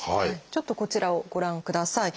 ちょっとこちらをご覧ください。